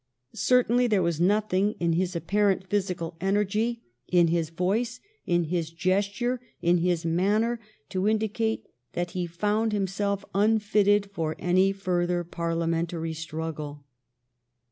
Certainly there was nothing in his apparent physical energy, *^THE LONG DAY'S TASK IS DONE" 391 in his voice, in his gesture, in his manner, to indi cate that he found himself unfitted for any further Parliamentary struggle.